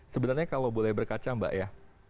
sebenarnya kalau boleh berkaca mbak ya